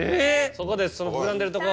そこですその膨らんでるとこ。